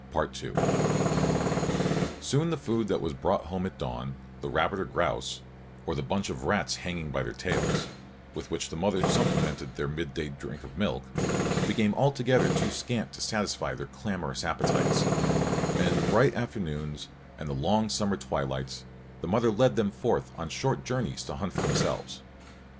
Soon the food that was brought home at dawn the rabbit or grouse, or the bunch of rats hanging by their tails, with which the mother supplemented their midday drink of milk became altogether too scant to satisfy their clamorous appetites; and in the bright afternoons and the long summer twilights the mother led them forth on short journeys to hunt for themselves.